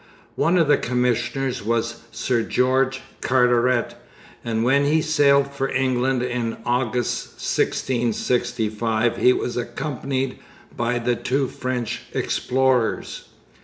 One of the commissioners was Sir George Carteret, and when he sailed for England in August 1665 he was accompanied by the two French explorers.